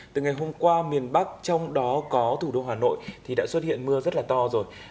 từ ngày hôm qua miền bắc trong đó có thủ đô hà nội thì đã xuất hiện mưa rất là to rồi